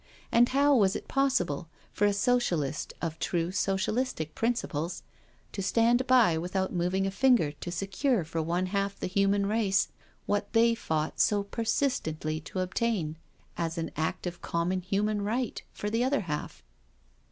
And how was it pos sible for a Socialist of true socialistic principles to stand by without moving a finger to secure for one half the human race what they fought so persistently to obtain, as an act of common human right, for the other half?